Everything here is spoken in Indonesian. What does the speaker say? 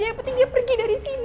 yang penting dia pergi dari sini